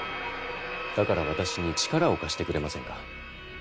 だから私に力を貸してくれませんか？